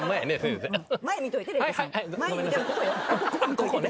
ここね。